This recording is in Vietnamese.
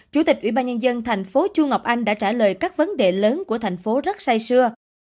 chủ tịch ủy ban nhân dân thành phố chu ngọc anh đã trả lời các vấn đề lớn của thành phố rất xay xưa